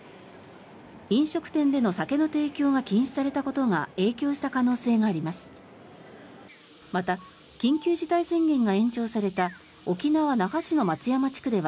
飲食店での酒の提供が禁止されたことが影響した可能性があります。